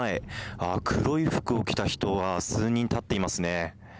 ああ、黒い服を着た人が数人立っていますね。